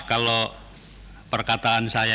kalau perkataan saya